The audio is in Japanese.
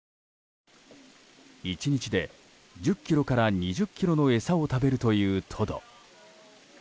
１日で１０ｋｇから２０ｋｇの餌を食べるというトド。